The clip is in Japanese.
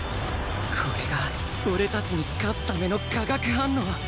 これが俺たちに勝つための化学反応